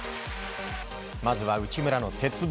まずは内村の鉄棒。